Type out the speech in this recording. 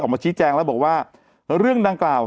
ออกมาชี้แจงแล้วบอกว่าเรื่องดังกล่าว